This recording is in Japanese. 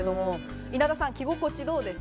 稲田さん、着心地どうですか？